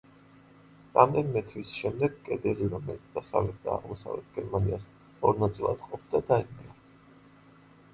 რამდენიმე თვის შემდეგ კედელი, რომელიც დასავლეთ და აღმოსავლეთ გერმანიას ორ ნაწილად ყოფდა, დაინგრა.